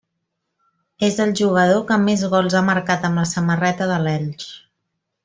És el jugador que més gols ha marcat amb la samarreta de l'Elx.